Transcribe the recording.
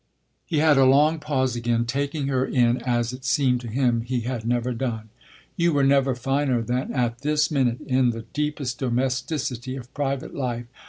He had a long pause again, taking her in as it seemed to him he had never done. "You were never finer than at this minute, in the deepest domesticity of private life.